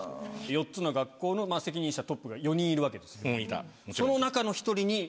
４つの学校のまぁ責任者トップが４人いるわけですよ。